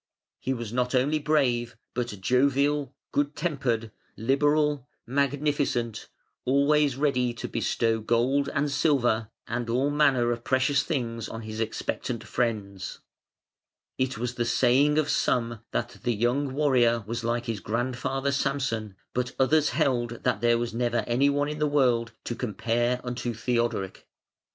He was not only brave but jovial, good tempered, liberal, magnificent, always ready to bestow gold and silver and all manner of precious things on his expectant friends. It was the saying of some that the young warrior was like his grandfather, Samson; but others held that there was never any one in the world to compare unto Theodoric.